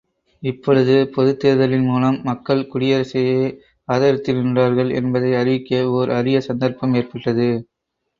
இப்பொழுது பொதுத்தேர்தலின் மூலம் மக்கள் குடியரசையே ஆதரித்து நின்றார்கள் என்பதை அறிவிக்க ஒர் அரிய சந்தர்ப்பம் ஏற்பட்டது.